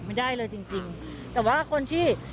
ไม่ได้เลยจริงจริงแต่ว่าคนที่